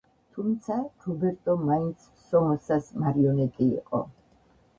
თუმცა, რობერტო მაინც სომოსას მარიონეტი იყო.